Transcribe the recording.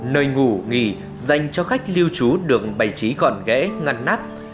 nơi ngủ nghỉ dành cho khách lưu trú đường bày trí gọn ghẽ ngăn nắp